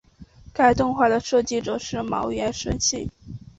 该动画的设计者是茅原伸幸。